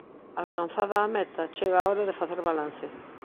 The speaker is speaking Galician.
Alcanzada a meta, chega a hora de facer balance.